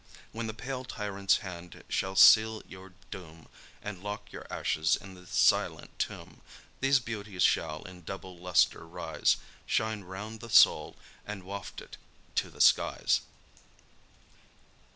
When the pale tyrant's hand shall seal your doom, And lock your ashes in the silent tomb, These beauties shall in double lustre rise, Shine round the soul, and waft it to the skies.